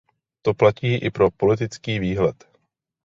To platí i pro politický výhled.